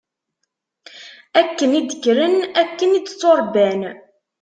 Akken i d-kkren, akken i d-tturebban.